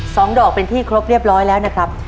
สองดอกเป็นที่ครบเรียบร้อยแล้วนะครับ